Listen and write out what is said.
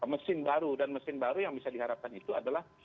mesin baru dan mesin baru yang bisa diharapkan itu adalah